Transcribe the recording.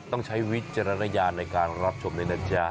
ต้องใช้วิจารณญาณในการรับชมในนักเชียร์